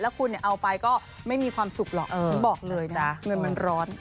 คุณเอาไปก็ไม่มีความสุขหรอกฉันบอกเลยนะเงินมันร้อน